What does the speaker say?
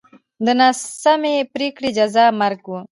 د ناسمې پرېکړې جزا مرګ و.